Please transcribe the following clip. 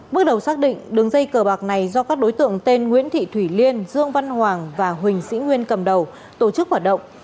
bước đầu xác định đường dây cờ bạc này do các đối tượng tên nguyễn thị thủy liên dương văn hoàng và huỳnh sĩ nguyên cầm đầu tổ chức hoạt động